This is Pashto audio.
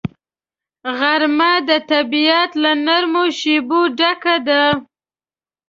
غرمه د طبیعت له نرمو شیبو ډکه ده